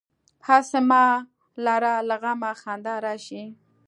هسې ما لره له غمه خندا راشي.